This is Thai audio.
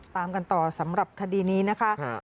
ตามกันต่อสำหรับคดีนี้นะคะ